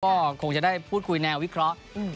ก็คงจะได้พูดคุยแนววิเคราะห์